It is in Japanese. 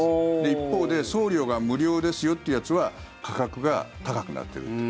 一方で送料が無料ですよっていうやつは価格が高くなってるっていう。